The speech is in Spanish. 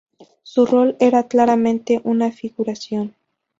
Su rol era claramente una figuración.